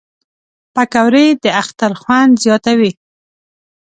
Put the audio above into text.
پکورې د اختر خوند زیاتوي